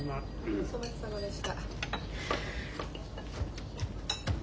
お粗末さまでした。